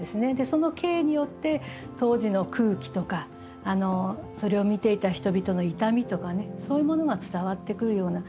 その景によって当時の空気とかそれを見ていた人々の痛みとかねそういうものが伝わってくるような。